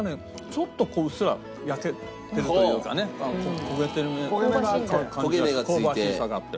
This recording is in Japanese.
ちょっとうっすら焼けてるというかね焦げてる感じ香ばしさがあって。